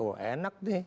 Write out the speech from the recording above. wah enak deh